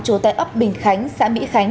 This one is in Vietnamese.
chú tại ấp bình khánh xã mỹ khánh